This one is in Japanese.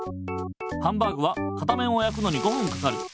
ハンバーグは片面をやくのに５ふんかかる。